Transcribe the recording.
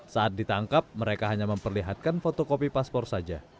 saat ditangkap mereka hanya memperlihatkan fotokopi paspor saja